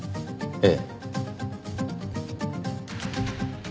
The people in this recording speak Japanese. ええ。